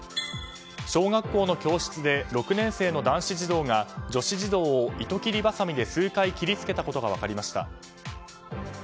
小学校の教室で６年生の男子児童が女子児童を糸切りばさみで数回切りつけたことが分かりました。